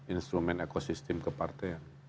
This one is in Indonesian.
instrumen ekosistem ke partai